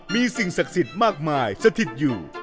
มีสิ่งศักดิ์สิทธิ์มากมายสถิตอยู่